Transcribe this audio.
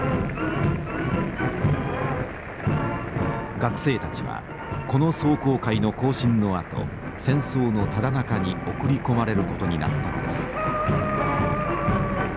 学生たちはこの壮行会の行進のあと戦争のただ中に送り込まれることになったのです。